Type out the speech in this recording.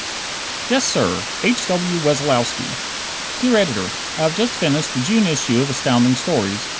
Yessir H. W. Wessolowski Dear Editor: I have just finished the June issue of Astounding Stories.